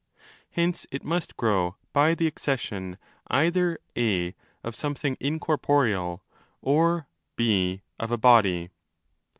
Hence it must grow by the accession either (a) of something incorporeal or (4) of a body.